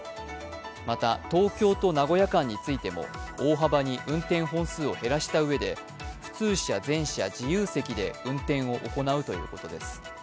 また東京と名古屋間についても大幅に運転本数を減らしたうえで普通車全車自由席で運転を行うということです。